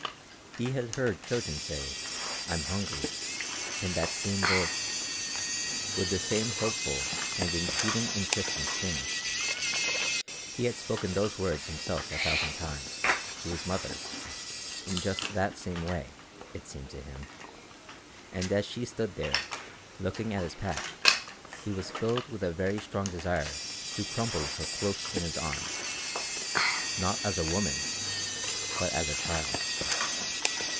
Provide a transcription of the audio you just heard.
He had heard children say "I'm hungry" in that same voice, with the same hopeful and entreating insistence in it; he had spoken those words himself a thousand times, to his mother, in just that same way, it seemed to him; and as she stood there, looking at his pack, he was filled with a very strong desire to crumple her close in his arms not as a woman, but as a child.